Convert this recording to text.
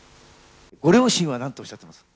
ご両親はなんとおっしゃってます？